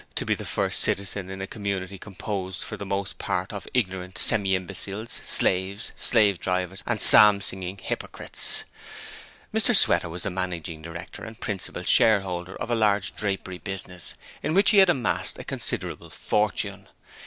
to be the first citizen in a community composed for the most part of ignorant semi imbeciles, slaves, slave drivers and psalm singing hypocrites. Mr Sweater was the managing director and principal shareholder of a large drapery business in which he had amassed a considerable fortune.